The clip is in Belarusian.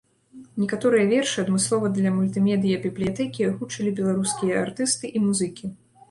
Некаторыя вершы адмыслова для мультымедыя-бібліятэкі агучылі беларускія артысты і музыкі.